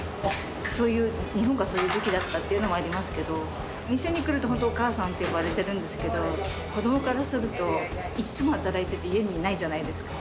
そういう、日本がそういうときだったっていうのもありますけど、店に来ると本当、お母さんって呼ばれてるんですけど、子どもからすると、いつも働いていて家にいないじゃないですか。